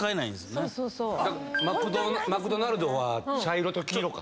マクドナルドは茶色と黄色か。